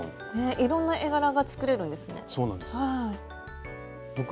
いろんな絵柄が作れるんですね。